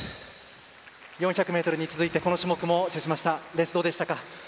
４００ｍに続いて、この種目も制しました、レースどうでしたか。